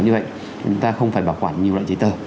như vậy chúng ta không phải bảo quản nhiều loại giấy tờ